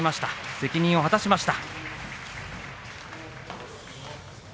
責任をよく果たしました。